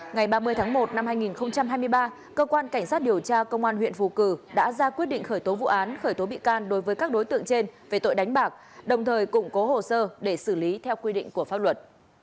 ngày ba mươi tháng một năm hai nghìn hai mươi ba cơ quan cảnh sát điều tra công an huyện phù cử đã ra quyết định khởi tố vụ án khởi tố bị can đối với các đối tượng trên về tội đánh bạc đồng thời củng cố hồ sơ để xử lý theo quy định của pháp luật